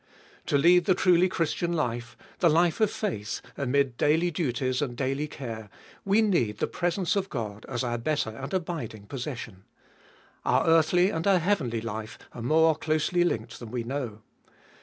To lead the truly Christian life, the life of faith amid daily duties and daily care, we need the presence of God as our better and abiding possession. Our earthly and our heavenly life are more closely linked than we know.